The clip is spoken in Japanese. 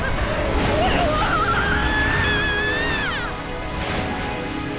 うわあっ！